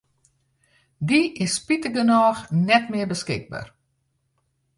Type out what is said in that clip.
Dy is spitigernôch net mear beskikber.